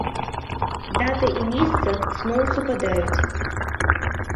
Дата і мейсца зноў супадаюць.